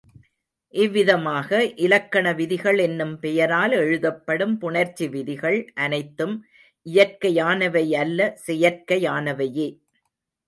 இவ்விதமாக, இலக்கண விதிகள் என்னும் பெயரால் எழுதப்படும் புணர்ச்சி விதிகள் அனைத்தும் இயற்கையானவை அல்ல செயற்கையானவையே.